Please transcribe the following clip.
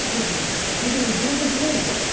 それで上場してないんでしょ？